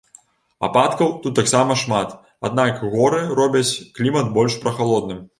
Ападкаў тут таксама шмат, аднак горы робяць клімат больш прахалодным.